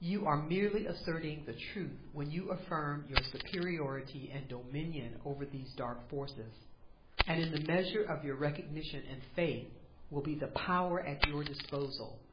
You are merely asserting the Truth when you affirm your superiority and dominion over these dark forces. And in the measure of your Recognition and Faith, will be the power at your disposal.